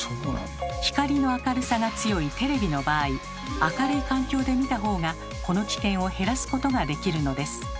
光の明るさが強いテレビの場合明るい環境で見たほうがこの危険を減らすことができるのです。